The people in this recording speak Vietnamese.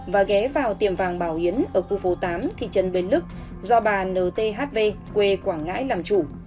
và ghé vào tiệm vàng bảo yến ở khu phố tám thị trấn bến lức do bà nthv quê quảng ngãi làm chủ